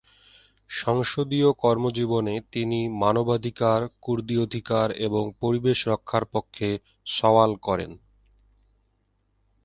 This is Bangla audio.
সংসদীয় কর্মজীবনে তিনি মানবাধিকার, কুর্দি অধিকার এবং পরিবেশ রক্ষার পক্ষে সওয়াল করেন।